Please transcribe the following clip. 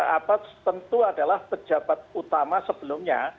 apa tentu adalah pejabat utama sebelumnya